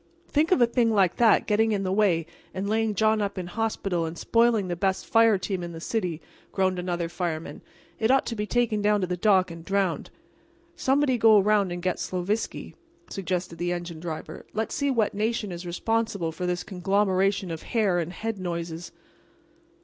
"Think of a thing like that getting in the way and laying John up in hospital and spoiling the best fire team in the city," groaned another fireman. "It ought to be taken down to the dock and drowned." "Somebody go around and get Sloviski," suggested the engine driver, "and let's see what nation is responsible for this conglomeration of hair and head noises."